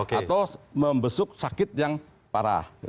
atau membesuk sakit yang parah